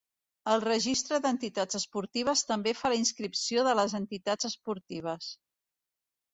El Registre d'Entitats esportives també fa la inscripció de les entitats esportives.